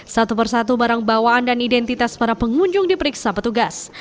satu persatu barang bawaan dan identitas para pengunjung diperiksa petugas